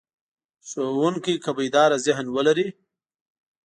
ښوونکی که بیداره ذهن ولري.